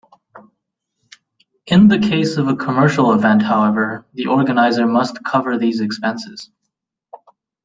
In the case of a commercial event however, the organizer must cover these expenses.